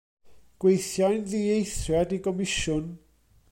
Gweithiai'n ddieithriad i gomisiwn.